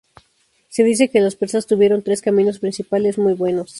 Se dice que los persas tuvieron tres caminos principales muy buenos.